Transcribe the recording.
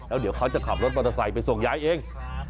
แล้วเดี๋ยวเขาจะขับรถประสัยไปส่งย้ายเอง